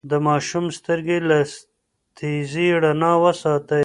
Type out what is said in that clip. د ماشوم سترګې له تیزې رڼا وساتئ.